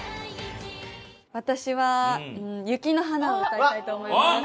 私は『雪の華』を歌いたいと思います。